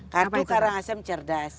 kartu karangasem cerdas